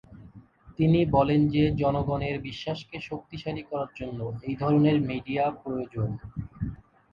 তিনি বলেন যে, জনগণের বিশ্বাসকে শক্তিশালী করার জন্য এই ধরনের মিডিয়া প্রয়োজন।